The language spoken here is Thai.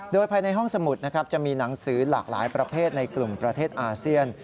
โดยภายในห้องสมุดนะครับจะมีหนังสือหลากหลายประเภทในกลุ่มประเทศอาเซียน